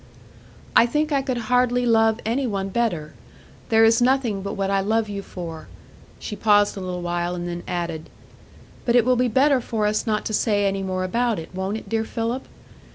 "I think I could hardly love any one better; there is nothing but what I love you for." She paused a little while, and then added: "But it will be better for us not to say any more about it, won't it, dear Philip?